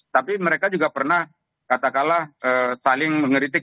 tapi mereka juga pernah katakanlah saling mengeritik